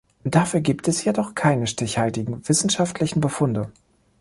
Dafür gibt es jedoch keine stichhaltigen wissenschaftlichen Befunde.